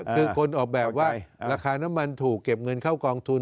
คือคนออกแบบว่าราคาน้ำมันถูกเก็บเงินเข้ากองทุน